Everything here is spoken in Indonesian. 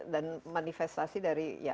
dan manifestasi dari